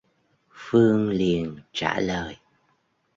Phương liền trả lời